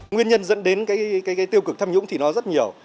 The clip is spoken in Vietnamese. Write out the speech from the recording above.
nguyên nhân dẫn đến cái tiêu cực tham nhũng thì nó rất nhiều